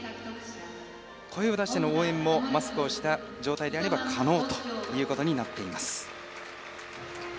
声を出しての応援もマスクをした状態であれば可能ということになっています。